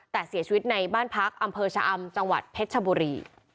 แต่เสียชีวิตในบ้านพักอำเภอชะอำจังหวัดเพชรชบุรี